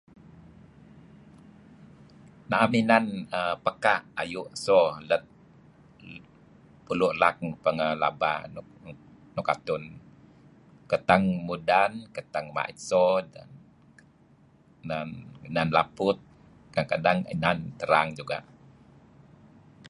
Naem inan pekaa' ayu so' lem pulu' laak nuk pangeh neh laba nuk atun. Katng mudan, kateng mait so, inan laput, kadang-kadang inan trang juga'.